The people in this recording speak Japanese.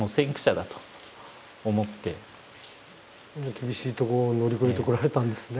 厳しいとこを乗り越えてこられたんですね。